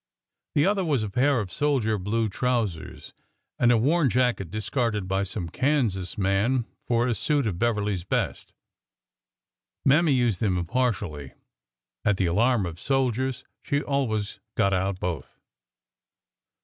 The other was a pair of soldier blue trou sers and a worn jacket discarded by some Kansas man for a suit of Beverly's best. Mammy used them impartially. At the alarm of soldiers she always got out both.